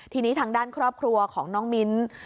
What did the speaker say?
ทีนี้ทางด้านครอบครัวของน้องมิ้น